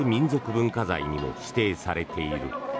文化財にも指定されている。